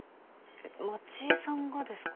街絵さんがですか？